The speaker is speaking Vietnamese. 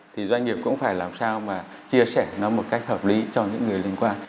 thì doanh nghiệp cũng phải làm sao mà chia sẻ nó một cách hợp lý cho những người liên quan